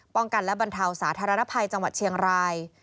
ป้องกันและบรรเทาสาธารณภัยจังหวัดเชียงราย